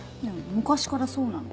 昔からそうなの。